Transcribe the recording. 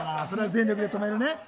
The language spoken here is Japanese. それは全力で止めるね。